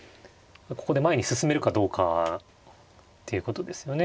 ここで前に進めるかどうかっていうことですよね。